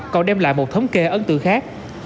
còn đem lại một thống kê ấn tượng khác